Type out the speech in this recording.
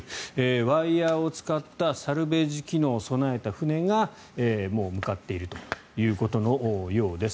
ワイヤを使ったサルベージ機能を備えた船がもう向かっているということのようです。